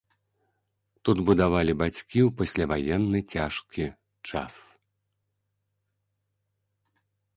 Тут будавалі бацькі ў пасляваенны цяжкі час.